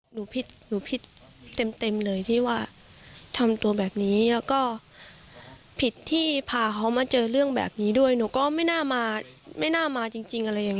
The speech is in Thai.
ผิดหนูผิดเต็มเลยที่ว่าทำตัวแบบนี้แล้วก็ผิดที่พาเขามาเจอเรื่องแบบนี้ด้วยหนูก็ไม่น่ามาไม่น่ามาจริงอะไรอย่างนี้